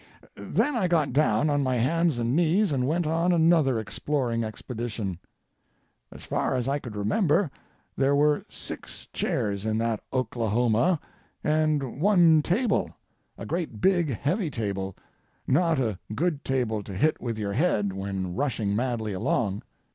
Then I got down, on my hands and knees and went on another exploring expedition. As far as I could remember there were six chairs in that Oklahoma, and one table, a great big heavy table, not a good table to hit with your head when rushing madly along.